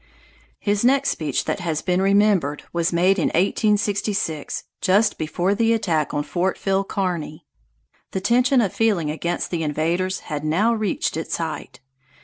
His next speech that has been remembered was made in 1866, just before the attack on Fort Phil Kearny. The tension of feeling against the invaders had now reached its height.